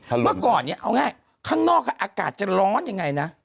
เมื่อก่อนเนี่ยเอาง่ายข้างนอกอากาศจะร้อนยังไงนะ